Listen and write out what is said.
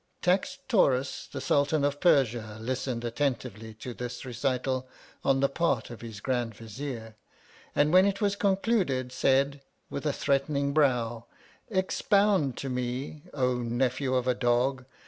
Taxedtaurus the Sultan of Persia listened attentively to this recital on the part of his Grand Vizier, and when it was concluded said, with a threatening brow, Expound to me, O, nephew of a dog